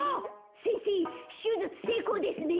せんせいしゅじゅつせいこうですね。